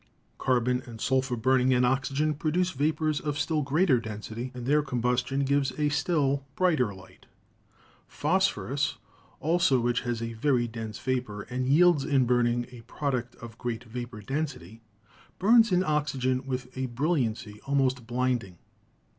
Carbon and sulphur burning in oxygen produce vapors of still greater density, and their combustion gives a still brighter light. Phosphorus, also, which has a very dense vapor, and yields, in burn ing, a product of great vapor density, burns in oxygen with a brilliancy almost blinding.